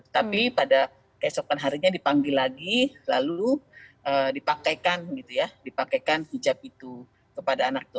tapi pada keesokan harinya dipanggil lagi lalu dipakaikan hijab itu kepada anak itu